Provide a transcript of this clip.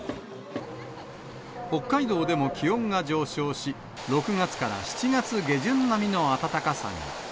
北海道でも気温が上昇し、６月から７月下旬並みの暖かさに。